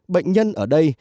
bệnh nhân ở đây